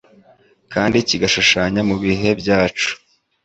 kandi kigashushanya mu bihe byacu